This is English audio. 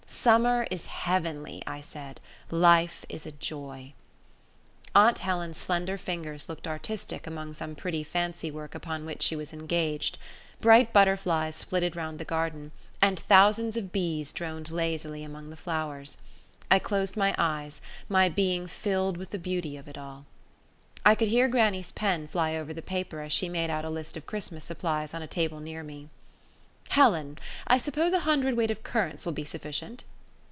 Summer is heavenly, I said life is a joy. Aunt Helen's slender fingers looked artistic among some pretty fancy work upon which she was engaged. Bright butterflies flitted round the garden, and thousands of bees droned lazily among the flowers. I closed my eyes my being filled with the beauty of it all. I could hear grannie's pen fly over the paper as she made out a list of Christmas supplies on a table near me. "Helen, I suppose a hundredweight of currants will be sufficient?"